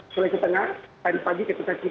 dari keterangan pak jokowi